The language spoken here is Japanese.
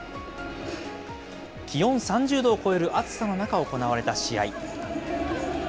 気温３０度を超える暑さの中、行われた試合。